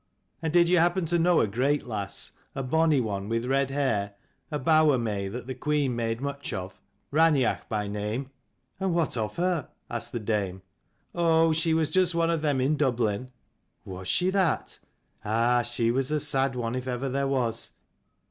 " And did you happen to know a great lass, a bonny one with red hair, a bower may that the queen made much of, Raineach by name?" " And what of her ?" asked the dame. " Oh, she was just one of them in Dublin." " Was she that ? Ah, she was a sad one if ever there was.